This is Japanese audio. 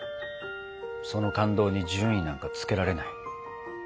その感動に順位なんかつけられない。